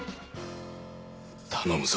頼むぞ。